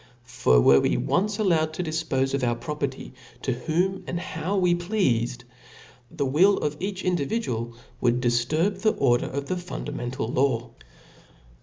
For were it once allowed to difpofe of our property to whom and how we pleafed, the will of each individual would difturb the order of the fundamental law.